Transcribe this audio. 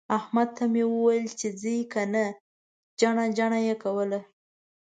احمد ته مې وويل چې ځې که نه؟ جڼه جڼه يې کول.